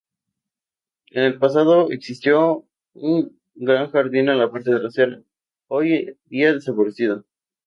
En el pasado existió un gran jardín en la parte trasera, hoy día desaparecido.